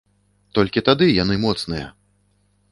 Толькі тады яны моцныя.